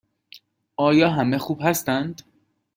آیا همه خوب هستند؟